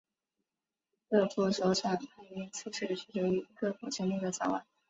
各部首长排名次序取决于各部成立的早晚。